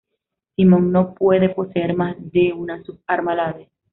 Simon no puede poseer más de una sub-arma a la vez.